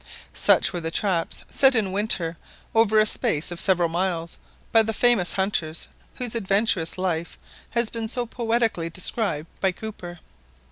Such were the traps set in the winter over a space of several miles by the famous hunters whose adventurous life has been so poetically described by Cooper.